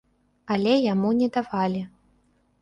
Але яму не давалі.